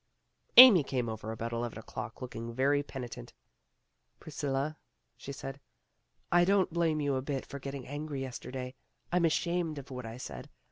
Amy came over about eleven o'clock, looking very penitent. "Priscilla," she said, "I don't blame you a bit for getting angry yesterday. I 'm ashamed of what I said.